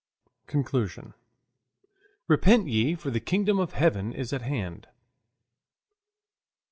CONCLUSION REPENT YE, FOR THE KINGDOM OF HEAVEN IS AT HAND. 1.